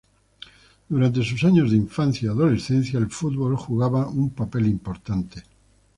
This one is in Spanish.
Durante sus años de infancia y adolescencia el fútbol jugaba un papel importante.